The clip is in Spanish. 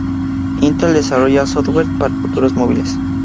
Intel desarrolla software para futuros móviles.